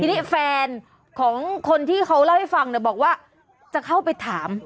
ทีนี้แฟนของคนที่เขาเล่าให้ฟังเนี่ยบอกว่าจะเข้าไปถาม